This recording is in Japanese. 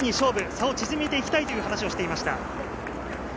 差を縮めていきたいと話をしていました。